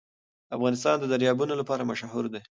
افغانستان د دریابونه لپاره مشهور دی.